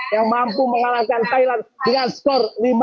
yang mampu mengalahkan thailand dengan skor lima satu